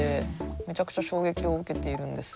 めちゃくちゃ衝撃を受けているんです